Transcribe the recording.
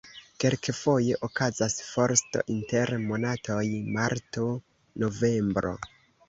Kelkfoje okazas forsto inter monatoj marto-novembro.